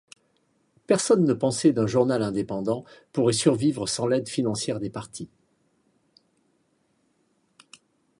Personne ne pensait d'un journal indépendant pourrait survivre sans l'aide financière des partis.